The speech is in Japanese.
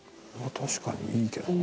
確かにいいけどな。